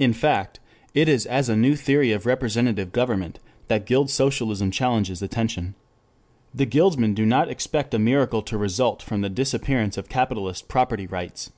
In fact, it is as a new theory of representative government that guild socialism challenges attention. The guildsmen do not expect a miracle to result from the disappearance of capitalist property rights.